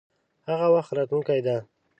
هغه وخت راتلونکی دی.